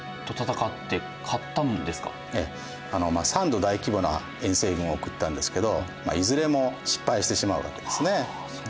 ３度大規模な遠征軍を送ったんですけどいずれも失敗してしまうわけですね。